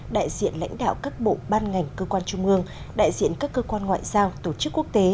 đại diện lãnh đạo các bộ ban ngành cơ quan trung ương đại diện các cơ quan ngoại giao tổ chức quốc tế